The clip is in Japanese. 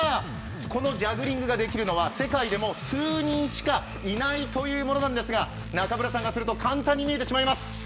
このジャグリングができるのは世界でも数人しかいないというものなんですが、中村さんがすると簡単に見えてしまいます。